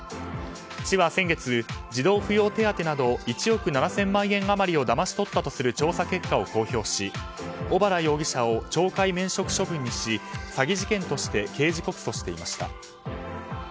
市は先月、児童扶養手当など１億７０００万円余りをだまし取ったとする調査結果を公表し小原容疑者を懲戒免職処分にし詐欺事件として刑事告訴していました。